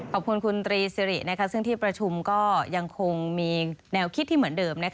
ขอบคุณคุณตรีสิริซึ่งที่ประชุมก็ยังคงมีแนวคิดที่เหมือนเดิม